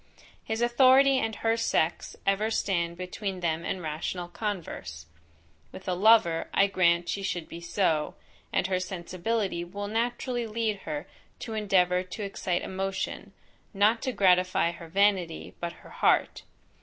his authority and her sex, ever stand between them and rational converse. With a lover, I grant she should be so, and her sensibility will naturally lead her to endeavour to excite emotion, not to gratify her vanity but her heart.